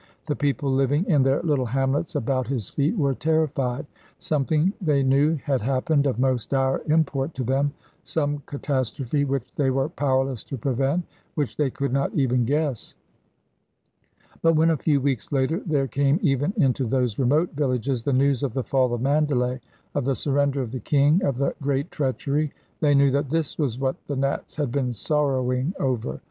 The people living in their little hamlets about his feet were terrified. Something they knew had happened of most dire import to them, some catastrophe which they were powerless to prevent, which they could not even guess. But when a few weeks later there came even into those remote villages the news of the fall of Mandalay, of the surrender of the king, of the 'great treachery,' they knew that this was what the Nats had been sorrowing over.